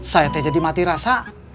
saya teh jadi mati rasa